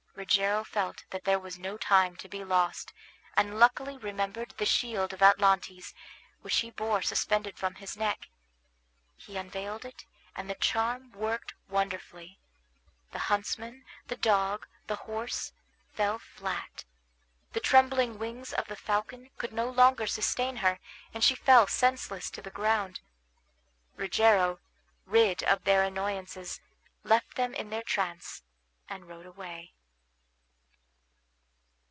Rogero felt that there was no time to be lost, and luckily remembered the shield of Atlantes, which he bore suspended from his neck. He unveiled it, and the charm worked wonderfully. The huntsman, the dog, the horse, fell flat; the trembling wings of the falcon could no longer sustain her, and she fell senseless to the ground. Rogero, rid of their annoyances, left them in their trance, and rode away.